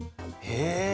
へえ。